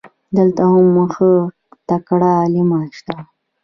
دلته هم ښه تکړه علما سته.